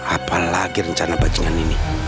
apalagi rencana bajingan ini